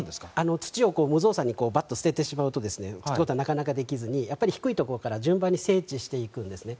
土を無造作に捨ててしまうということはなかなかできずに低いところから順番に整地していくんですね。